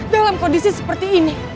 dalam kondisi seperti ini